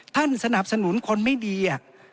ท่านสนับสนุนคนไม่ดี